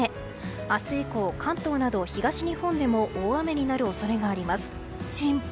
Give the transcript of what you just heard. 明日以降、関東など東日本でも大雨になる恐れがあります。